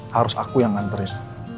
harus aku yang nganterin